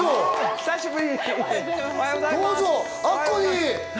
久しぶり。